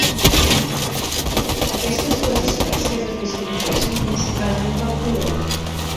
Aquestes dues espècies es distingeixen principalment pel color.